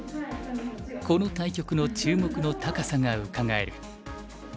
この対局の注目の高さがうかがえる。